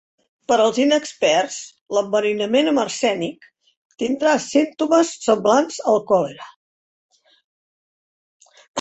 Per als inexperts, l'enverinament amb arsènic tindrà símptomes semblants al còlera.